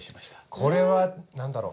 これは何だろう？